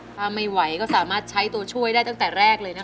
ถ้าไม่ไหวก็สามารถใช้ตัวช่วยได้ตั้งแต่แรกเลยนะคะ